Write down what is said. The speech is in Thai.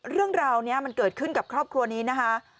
เรื่องราวนี้มันเกิดขึ้นกับครอบครัวนี้นะคะ